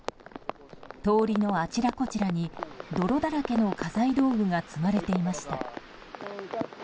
通りのあちらこちらに泥だらけの家財道具が積まれていました。